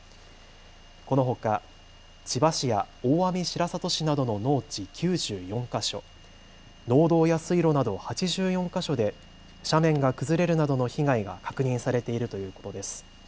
このほか千葉市や大網白里市などの農地９４か所、農道や水路など８４か所で斜面が崩れるなどの被害が確認されているということです。